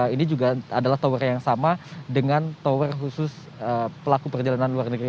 ini juga adalah tower yang sama dengan tower khusus pelaku perjalanan luar negeri